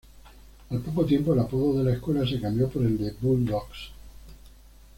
Al poco tiempo, el apodo de la escuela se cambió por el de "Bulldogs".